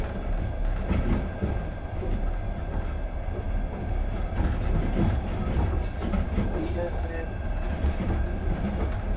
Sánchez avanzó su caballería pero fue muerto de un balazo en la cabeza.